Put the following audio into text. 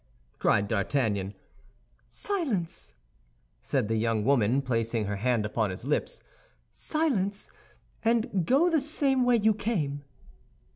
cried D'Artagnan. "Silence!" said the young woman, placing her hand upon his lips; "silence, and go the same way you came!"